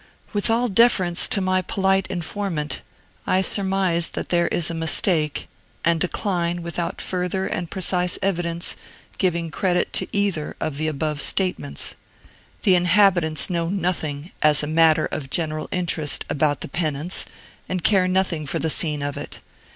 With all deference to my polite informant, I surmise that there is a mistake, and decline, without further and precise evidence, giving credit to either of the above statements. The inhabitants know nothing, as a matter of general interest, about the penance, and care nothing for the scene of it.